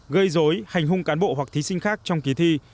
gây dối hành hung cán bộ hoặc thí sinh khác trong kỳ thi